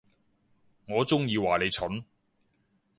我中意話你蠢